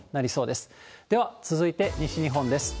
では、続いて西日本です。